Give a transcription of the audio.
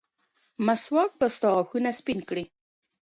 مسواک به ستا غاښونه سپین کړي.